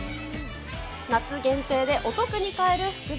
夏限定でお得に買える福袋。